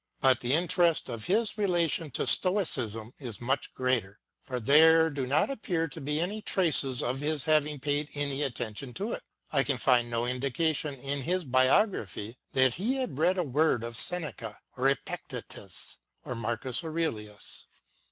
But the interest of his relation to Stoicism is much greater, for there do not appear to be any traces of his having paid any attention to it : I can find no indication in his Biography that he had read a word of Seneca or Epictetus, or Marcus Aurelius.